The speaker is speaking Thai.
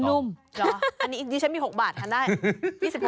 อันนี้อีกที่ฉันมี๖บาททานได้๒๖บาท